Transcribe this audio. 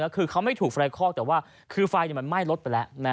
คือเขาไม่ถูกไฟคอกแต่ว่าคือไฟมันไหม้รถไปแล้ว